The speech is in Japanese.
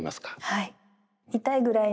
はい。